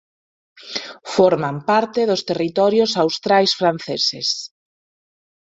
Forman parte dos Territorios Austrais Franceses.